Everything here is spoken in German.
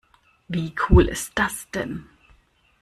Wie cool ist das denn?